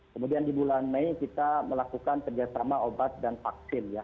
kemudian di bulan mei kita melakukan kerjasama obat dan vaksin ya